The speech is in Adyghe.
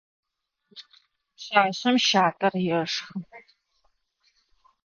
Пшъашъэм щатэр ешхы.